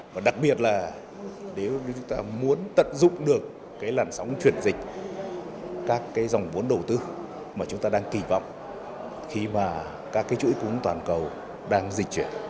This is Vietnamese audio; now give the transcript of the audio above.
và đặc biệt là nếu chúng ta muốn tận dụng được cái làn sóng chuyển dịch các cái dòng vốn đầu tư mà chúng ta đang kỳ vọng khi mà các cái chuỗi cúng toàn cầu đang dịch chuyển